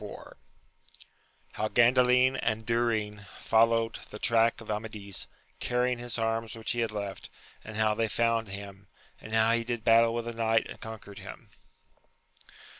IT.— How Gandalia and Durin followed the track of Amadis, CMrying his armB which he had left, and how they found him, and how he did battle with a knight and con quered him.